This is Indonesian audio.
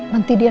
kau tahu tidak